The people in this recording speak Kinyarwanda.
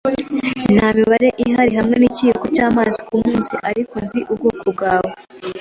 nta mibare mibi ihari hamwe n'ikiyiko cy'amazi kumunsi. Ariko nzi ubwoko bwawe